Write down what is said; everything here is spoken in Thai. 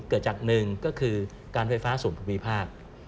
เกิดจาก๑ก็คือการไฟฟ้าศูนย์ภูมิภาค